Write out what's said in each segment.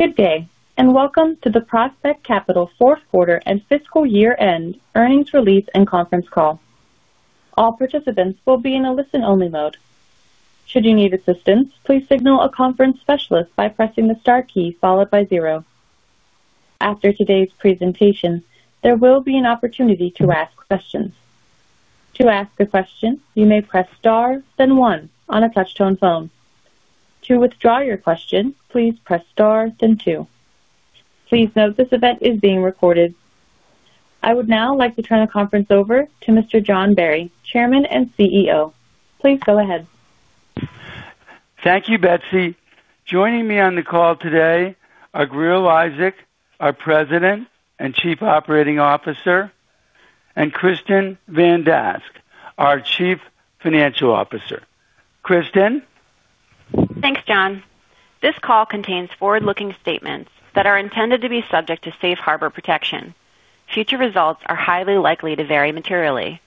Good day, and welcome to the Prospect Capital fourth quarter and fiscal year-end earnings release and conference call. All participants will be in a listen-only mode. Should you need assistance, please signal a conference specialist by pressing the star key followed by zero. After today's presentation, there will be an opportunity to ask questions. To ask a question, you may press star, then one on a touch-tone phone. To withdraw your question, please press star, then two. Please note this event is being recorded. I would now like to turn the conference over to Mr. John Barry, Chairman and CEO. Please go ahead. Thank you, Betsy. Joining me on the call today are Grier Eliasek, our President and Chief Operating Officer, and Kristin Van Dask, our Chief Financial Officer. Kristin? Thanks, John. This call contains forward-looking statements that are intended to be subject to safe harbor protection. Future results are highly likely to vary materially.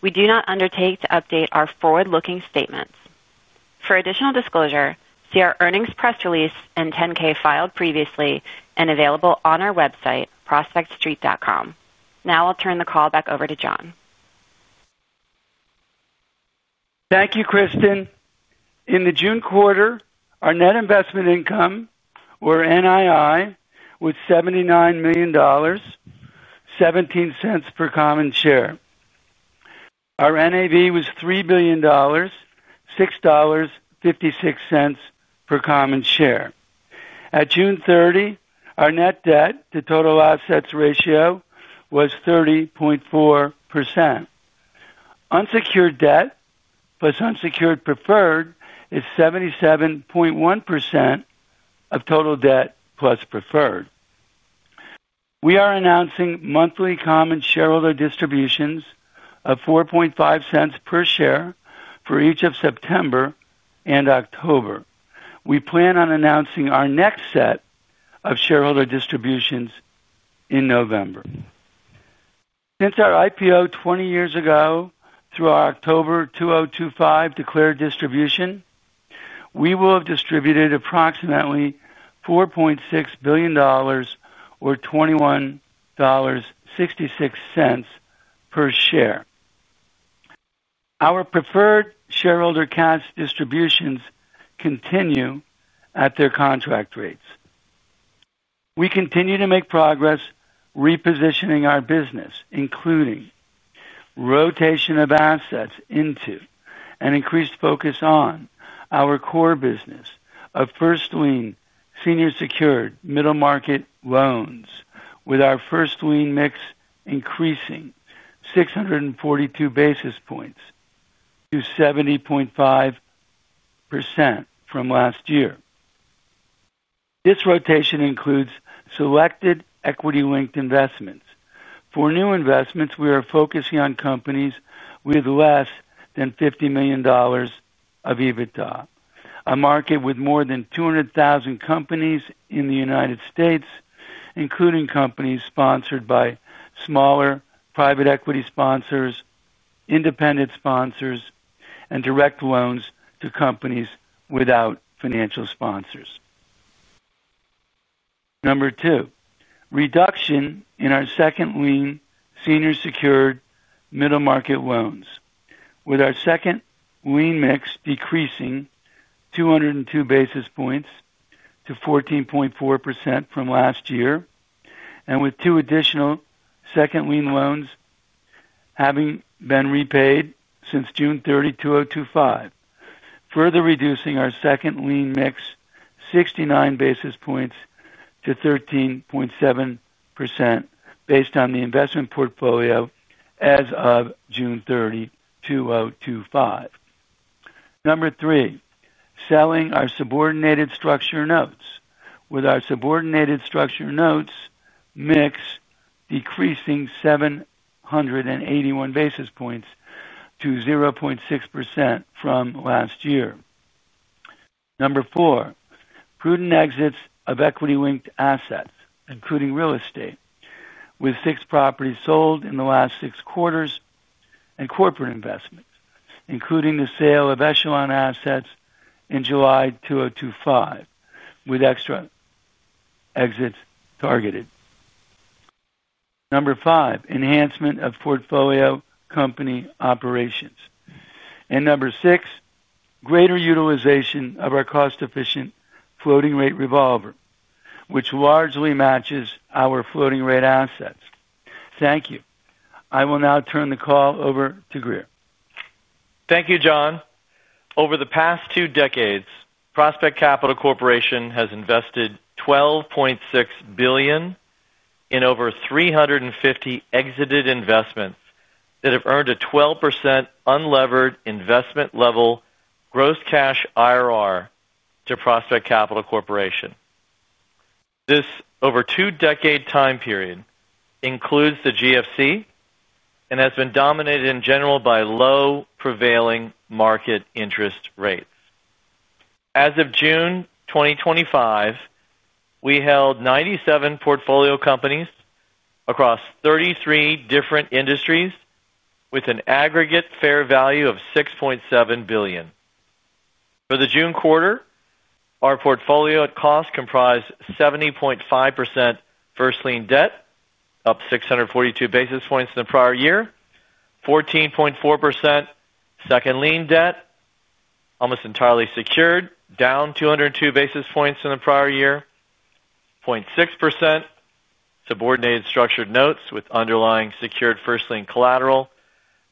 We do not undertake to update our forward-looking statements. For additional disclosure, see our earnings press release and 10-K filed previously and available on our website, prospectstreet.com. Now I'll turn the call back over to John. Thank you, Kristin. In the June quarter, our net investment income, or NII, was $79 million, $0.17 per common share. Our NAV was $3 billion, $6.56 per common share. At June 30, our net debt to total assets ratio was 30.4%. Unsecured debt plus unsecured preferred is 77.1% of total debt plus preferred. We are announcing monthly common shareholder distributions of $0.045 per share for each of September and October. We plan on announcing our next set of shareholder distributions in November. Since our IPO 20 years ago through our October 2025 declared distribution, we will have distributed approximately $4.6 billion or $21.66 per share. Our preferred shareholder cash distributions continue at their contract rates. We continue to make progress repositioning our business, including rotation of assets into an increased focus on our core business of first lien Senior Secured Middle Market Loans, with our first lien mix increasing 642 basis points to 70.5% from last year. This rotation includes selected equity-linked investments. For new investments, we are focusing on companies with less than $50 million of EBITDA, a market with more than 200,000 companies in the United States, including companies sponsored by smaller private equity sponsors, independent sponsors, and direct loans to companies without financial sponsors. Number two, reduction in our second lien loans, with our second lien mix decreasing 202 basis points to 14.4% from last year, and with two additional second lien loans having been repaid since June 30, 2025, further reducing our Second Lien mix 69 basis points to 13.7% based on the investment portfolio as of June 30, 2025. Number three, selling our subordinated structured notes, with our subordinated structured notes mix decreasing 781 basis points to 0.6% from last year. Number four, prudent exits of equity-linked assets, including real estate, with six properties sold in the last six quarters and corporate investments, including the sale of echelon assets in July, 2025, with extra exits targeted. Number five, enhancement of portfolio company operations. Number six, greater utilization of our cost-efficient floating rate revolver, which largely matches our floating rate assets. Thank you. I will now turn the call over to Grier. Thank you, John. Over the past two decades, Prospect Capital Corporation has invested $12.6 billion in over 350 exited investments that have earned a 12% unlevered investment level gross cash IRR to Prospect Capital Corporation. This over two-decade time period includes the GFC and has been dominated in general by low prevailing market interest rates. As of June, 2025, we held 97 portfolio companies across 33 different industries with an aggregate fair value of $6.7 billion. For the June quarter, our portfolio at cost comprised 70.5% first lien debt, up 642 basis points in the prior year, 14.4% Second Lien debt, almost entirely secured, down 202 basis points in the prior year, 0.6% subordinated structured notes with underlying secured first lien collateral,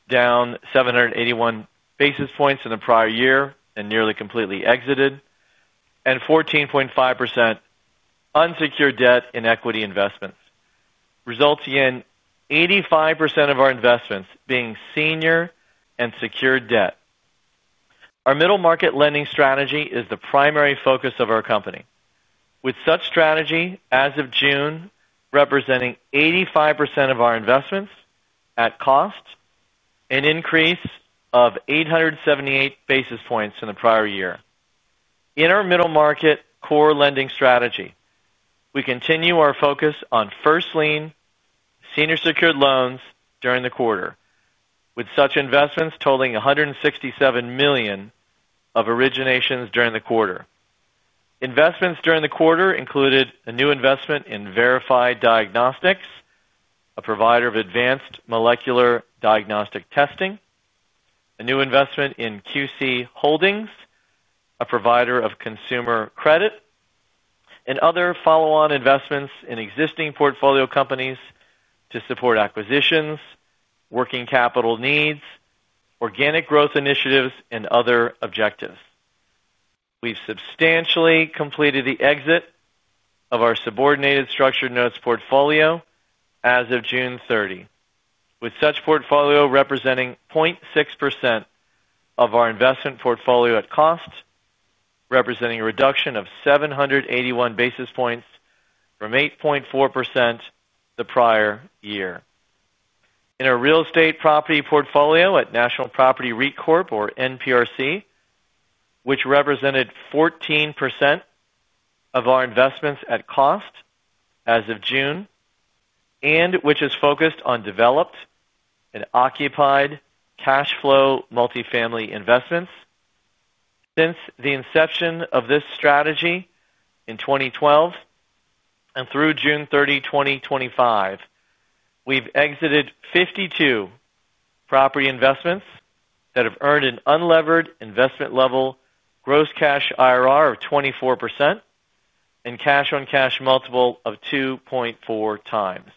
down 781 basis points in the prior year and nearly completely exited, and 14.5% unsecured debt and equity investments, resulting in 85% of our investments being senior and secured debt. Our middle market lending strategy is the primary focus of our company, with such strategy as of June representing 85% of our investments at cost, an increase of 878 basis points in the prior year. In our middle market core lending strategy, we continue our focus on first lien senior secured loans during the quarter, with such investments totaling $167 million of originations during the quarter. Investments during the quarter included a new investment in verified diagnostics, a provider of advanced molecular diagnostic testing, a new investment in QC Holdings, a provider of consumer credit, and other follow-on investments in existing portfolio companies to support acquisitions, working capital needs, organic growth initiatives, and other objectives. We've substantially completed the exit of our subordinated structured notes portfolio as of June 30, with such portfolio representing 0.6% of our investment portfolio at cost, representing a reduction of 781 basis points from 8.4% the prior year. In our real estate property portfolio at National Property REIT Corp, or NPRC, which represented 14% of our investments at cost as of June, and which is focused on developed and occupied cash flow multifamily investments, since the inception of this strategy in 2012 and through June 30, 2025, we've exited 52 property investments that have earned an unlevered investment level gross cash IRR of 24% and cash on cash multiple of 2.4 times.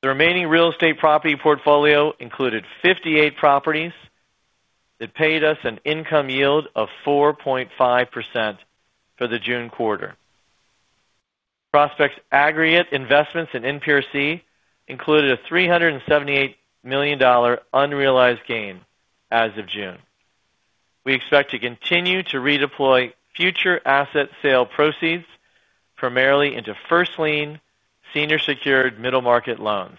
The remaining real estate property portfolio included 58 properties that paid us an income yield of 4.5% for the June quarter. Prospect's aggregate investments in NPR included a $378 million unrealized gain as of June. We expect to continue to redeploy future asset sale proceeds primarily into First Lien Senior Secured Middle Market Loans.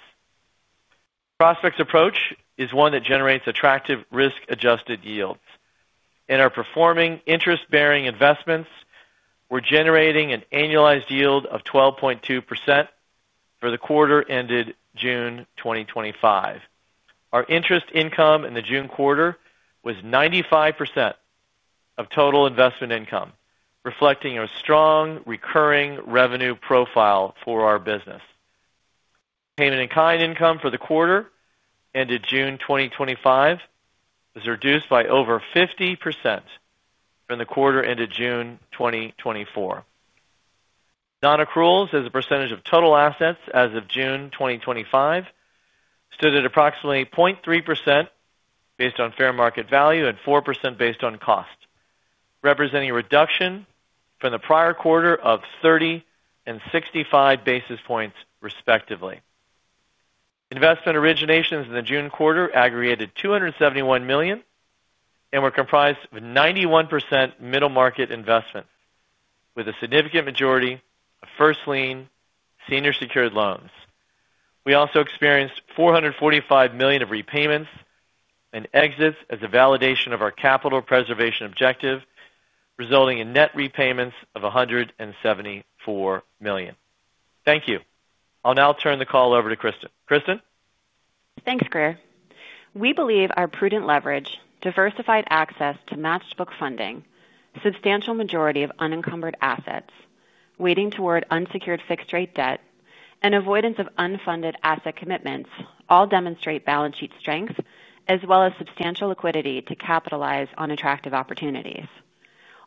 Prospect's approach is one that generates attractive risk-adjusted yields. In our performing interest-bearing investments, we're generating an annualized yield of 12.2% for the quarter ended June 2025. Our interest income in the June quarter was 95% of total investment income, reflecting a strong recurring revenue profile for our business. Payment in kind income for the quarter ended June 2025 was reduced by over 50% from the quarter ended June, 2024. Non-accruals as a percentage of total assets as of June, 2025 stood at approximately 0.3% based on fair market value and 4% based on cost, representing a reduction from the prior quarter of 30 and 65 basis points respectively. Investment originations in the June quarter aggregated $271 million and were comprised of 91% middle market investment, with a significant majority of First Lien Senior Secured loans. We also experienced $445 million of repayments and exits as a validation of our capital preservation objective, resulting in net repayments of $174 million. Thank you. I'll now turn the call over to Kristin. Kristin? Thanks, Grier. We believe our prudent leverage, diversified access to matched book funding, substantial majority of unencumbered assets, weighting toward unsecured fixed-rate debt, and avoidance of unfunded asset commitments all demonstrate balance sheet strength as well as substantial liquidity to capitalize on attractive opportunities.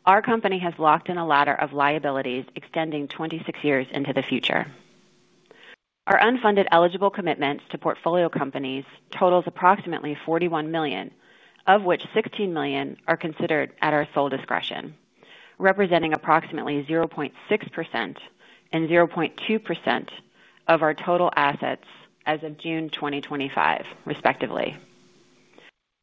Our company has locked in a ladder of liabilities extending 26 years into the future. Our unfunded eligible commitments to portfolio companies total approximately $41 million, of which $16 million are considered at our sole discretion, representing approximately 0.6% and 0.2% of our total assets as of June, 2025, respectively.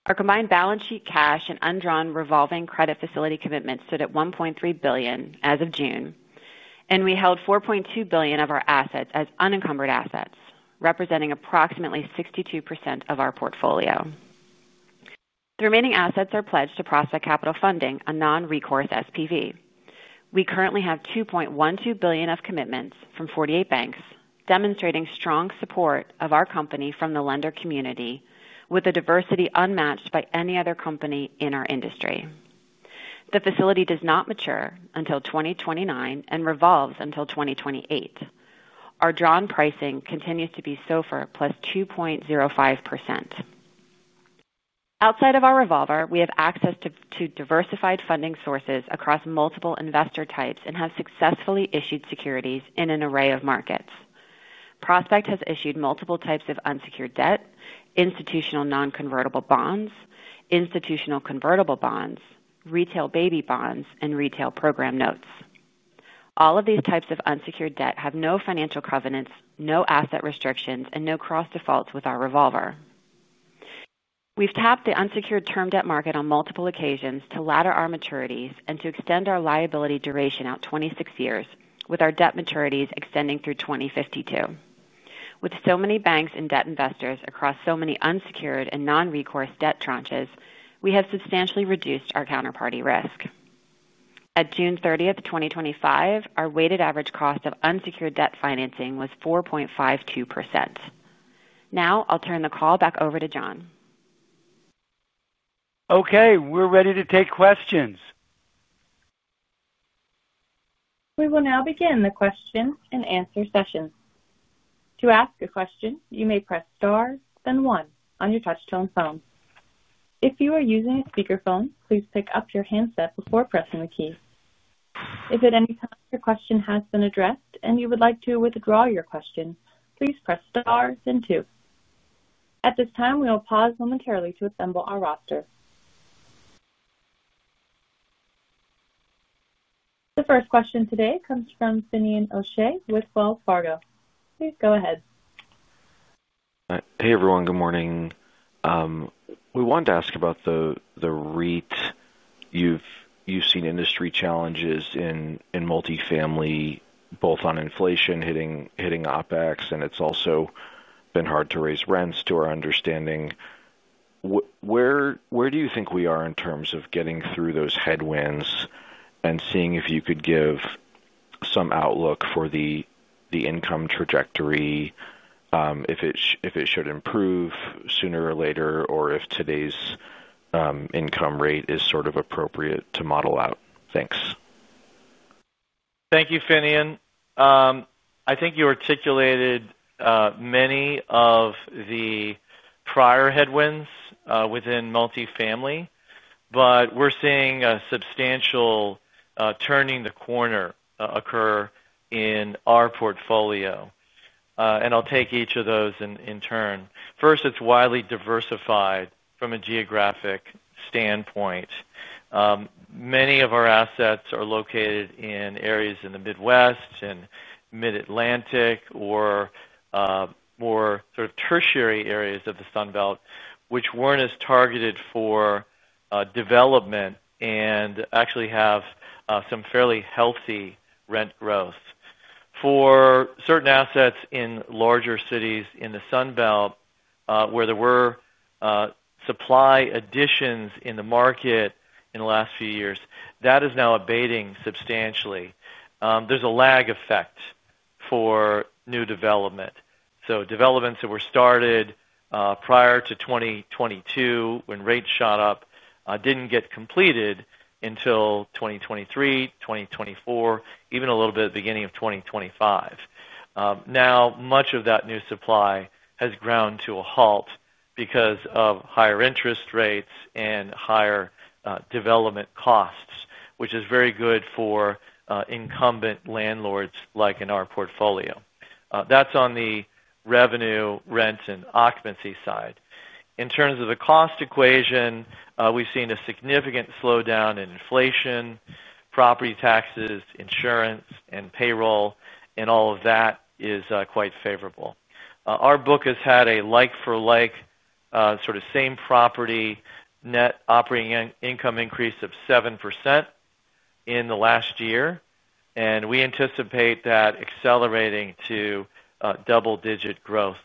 Our combined balance sheet cash and undrawn revolving credit facility commitments stood at $1.3 billion as of June, and we held $4.2 billion of our assets as unencumbered assets, representing approximately 62% of our portfolio. The remaining assets are pledged to Prospect Capital Funding, a non-recourse SPV. We currently have $2.12 billion of commitments from 48 banks, demonstrating strong support of our company from the lender community, with a diversity unmatched by any other company in our industry. The facility does not mature until 2029 and revolves until 2028. Our drawn pricing continues to be SOFR plus 2.05%. Outside of our revolver, we have access to diversified funding sources across multiple investor types and have successfully issued securities in an array of markets. Prospect has issued multiple types of unsecured debt: institutional non-convertible bonds, institutional convertible bonds, retail baby bonds, and retail program notes. All of these types of unsecured debt have no financial covenants, no asset restrictions, and no cross-defaults with our revolver. We've tapped the unsecured term debt market on multiple occasions to ladder our maturities and to extend our liability duration out 26 years, with our debt maturities extending through 2052. With so many banks and debt investors across so many unsecured and non-recourse debt tranches, we have substantially reduced our counterparty risk. At June 30, 2025, our weighted average cost of unsecured debt financing was 4.52%. Now I'll turn the call back over to John. Okay, we're ready to take questions. We will now begin the question and answer session. To ask a question, you may press star, then one on your touch-tone phone. If you are using a speaker phone, please pick up your handset before pressing the key. If at any time your question has been addressed and you would like to withdraw your question, please press star, then two. At this time, we will pause momentarily to assemble our roster. The first question today comes from Finian O'Shea with Wells Fargo. Please go ahead. Hey everyone, good morning. We wanted to ask about the REIT. You've seen industry challenges in multifamily, both on inflation hitting OpEx, and it's also been hard to raise rents to our understanding. Where do you think we are in terms of getting through those headwinds and seeing if you could give some outlook for the income trajectory, if it should improve sooner or later, or if today's income rate is sort of appropriate to model out? Thanks. Thank you, Finian. I think you articulated many of the prior headwinds within multifamily, but we're seeing a substantial turning the corner occur in our portfolio, and I'll take each of those in turn. First, it's widely diversified from a geographic standpoint. Many of our assets are located in areas in the Midwest and Mid-Atlantic or more sort of tertiary areas of the Sun Belt, which weren't as targeted for development and actually have some fairly healthy rent growth. For certain assets in larger cities in the Sun Belt, where there were supply additions in the market in the last few years, that is now abating substantially. There's a lag effect for new development. Developments that were started prior to 2022 when rates shot up didn't get completed until 2023, 2024, even a little bit at the beginning of 2025. Now, much of that new supply has ground to a halt because of higher interest rates and higher development costs, which is very good for incumbent landlords like in our portfolio. That's on the revenue, rent, and occupancy side. In terms of the cost equation, we've seen a significant slowdown in inflation, property taxes, insurance, and payroll, and all of that is quite favorable. Our book has had a like-for-like sort of same-property net operating income increase of 7% in the last year, and we anticipate that accelerating to double-digit growth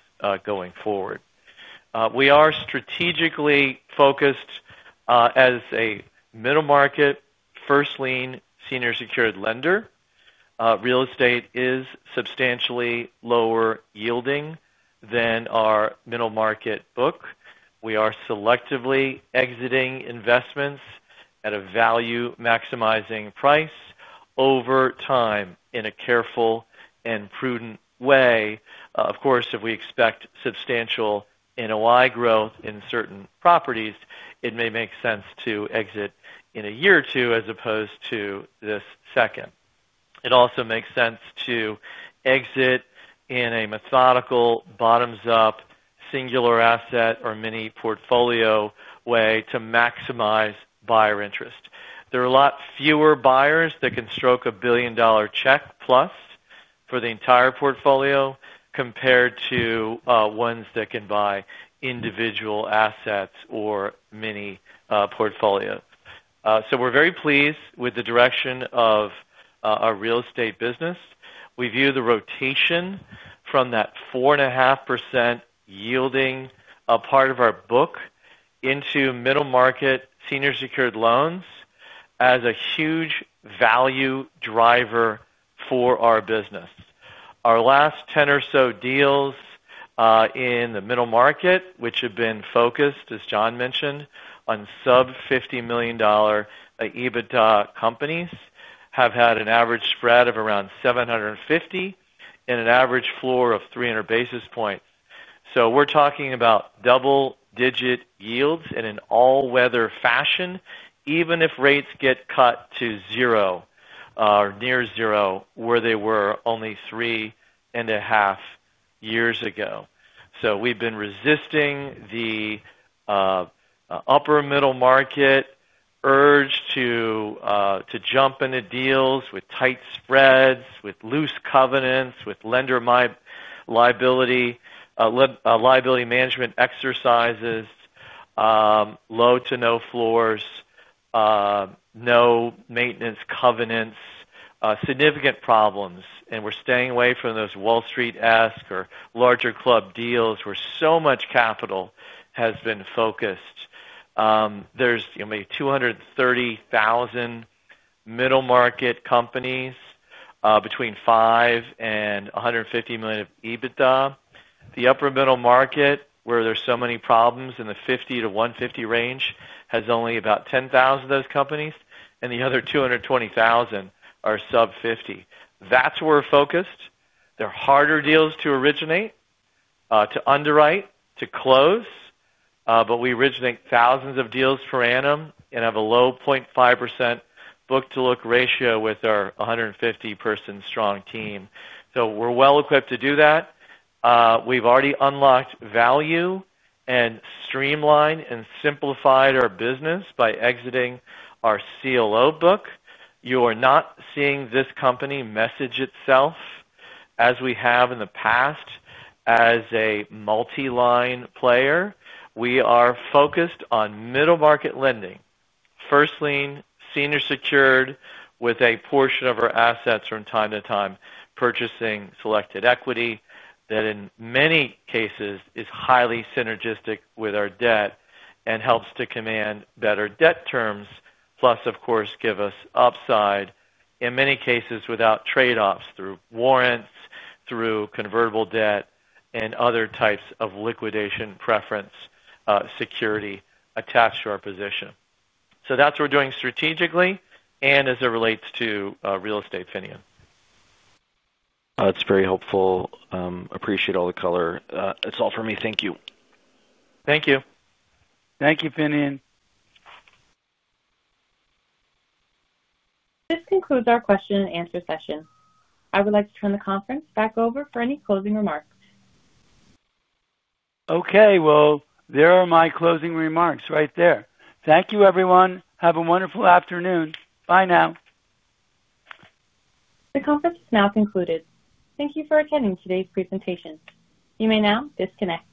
going forward. We are strategically focused as a middle market First Lien Senior Secured lender. Real estate is substantially lower yielding than our middle market book. We are selectively exiting investments at a value-maximizing price over time in a careful and prudent way. Of course, if we expect substantial NOI growth in certain properties, it may make sense to exit in a year or two as opposed to this second. It also makes sense to exit in a methodical, bottoms-up, singular asset or mini-portfolio way to maximize buyer interest. There are a lot fewer buyers that can stroke a billion-dollar check plus for the entire portfolio compared to ones that can buy individual assets or mini-portfolio. We're very pleased with the direction of our real estate business. We view the rotation from that 4.5% yielding part of our book into middle market senior secured loans as a huge value driver for our business. Our last 10 or so deals in the middle market, which have been focused, as John mentioned, on sub-$50 million EBITDA companies, have had an average spread of around 750 and an average floor of 300 basis points. We're talking about double-digit yields in an all-weather fashion, even if rates get cut to zero or near zero, where they were only three and a half years ago. We've been resisting the upper middle market urge to jump into deals with tight spreads, with loose covenants, with lender liability management exercises, low to no floors, no maintenance covenants, significant problems, and we're staying away from those Wall Street-esque or larger club deals where so much capital has been focused. There's maybe 230,000 middle market companies between $5 million and $150 million of EBITDA. The upper middle market, where there's so many problems in the $50 million - $150 million range, has only about 10,000 of those companies, and the other 220,000 are sub $50 million. That's where we're focused. They're harder deals to originate, to underwrite, to close, but we originate thousands of deals per annum and have a low 0.5% book-to-book ratio with our 150-person strong team. We're well equipped to do that. We've already unlocked value and streamlined and simplified our business by exiting our CLO book. You are not seeing this company message itself as we have in the past as a multi-line player. We are focused on middle market lending, First Lien Senior Secured, with a portion of our assets from time to time purchasing selected equity that in many cases is highly synergistic with our debt and helps to command better debt terms, plus, of course, give us upside in many cases without trade-offs through warrants, through convertible debt, and other types of liquidation preference security attached to our position. That's what we're doing strategically and as it relates to real estate, Finian. That's very helpful. Appreciate all the color. That's all for me. Thank you. Thank you. Thank you, Finian. This concludes our question and answer session. I would like to turn the conference back over for any closing remarks. Okay, there are my closing remarks right there. Thank you, everyone. Have a wonderful afternoon. Bye now. The conference is now concluded. Thank you for attending today's presentation. You may now disconnect.